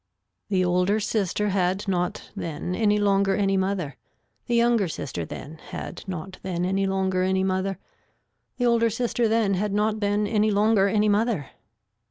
The older sister had not then any longer any mother. The younger sister then had not then any longer any mother. The older sister then had not then any longer any mother.